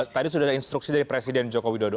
tadi sudah ada instruksi dari presiden joko widodo